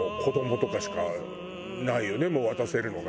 もう渡せるのが。